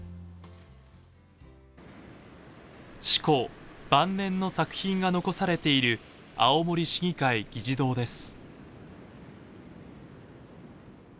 志功晩年の作品が残されている青森市議会議事堂です。